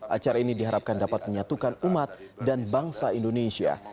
acara ini diharapkan dapat menyatukan umat dan bangsa indonesia